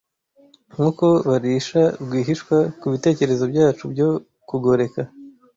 Nkuko barisha rwihishwa kubitekerezo byacu byo kugoreka.